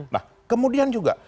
nah kemudian juga